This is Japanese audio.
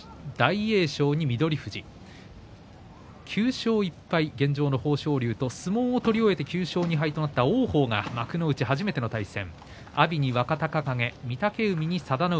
９勝１敗、現状の豊昇龍と相撲を取り終えて９勝２敗となった王鵬が幕内初めての対戦。